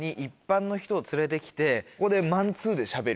ここで。